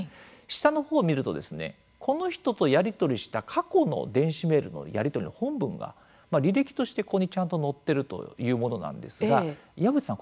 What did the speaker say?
下の方を見るとこの人とやり取りした過去の電子メールのやり取りの本文が履歴としてここにちゃんと載ってるというものなんですが岩渕さん